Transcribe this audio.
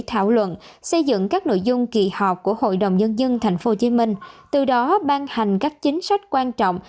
thảo luận xây dựng các nội dung kỳ họp của hội đồng nhân dân tp hcm từ đó ban hành các chính sách quan trọng